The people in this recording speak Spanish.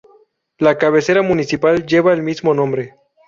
La cabecera municipal lleva el mismo nombre.